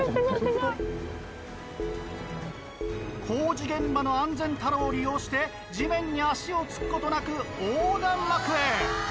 工事現場の安全太郎を利用して地面に足をつくことなく横断幕へ。